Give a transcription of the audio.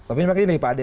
tapi ini lagi nih pak ade